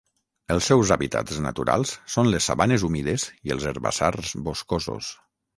Els seus hàbitats naturals són les sabanes humides i els herbassars boscosos.